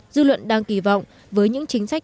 dư luận đang kỳ vọng với những chính sách